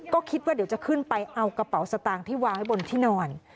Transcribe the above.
ก็คิดว่าเดี๋ยวจะขึ้นไปเอากระเป๋าสตางค์ที่วางไว้บนที่นอน